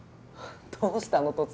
どうしたの？